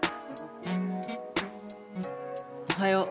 おはよう。